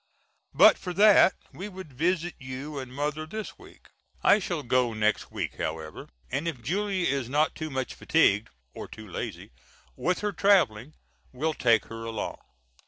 But for that we would visit you and Mother this week. I shall go next week however and if Julia is not too much fatigued, or too lazy, with her travelling will take her along.